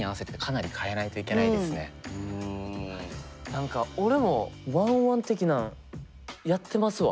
何か俺も１ｏｎ１的なんやってますわ。